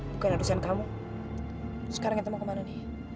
bukan adusan kamu sekarang kita mau kemana nih